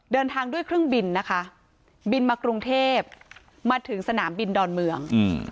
เดินทางด้วยเครื่องบินนะคะบินมากรุงเทพมาถึงสนามบินดอนเมือง